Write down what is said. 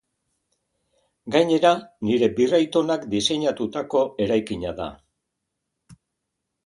Gainera, nire birraitonak diseinatutako eraikina da.